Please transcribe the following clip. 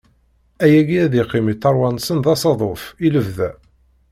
Ayagi ad d-iqqim i tarwa-nsen d asaḍuf, i lebda.